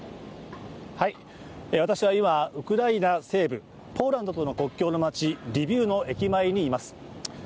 私は今、ウクライナ西部ポーランドと国境の街、リビウの駅前にいます。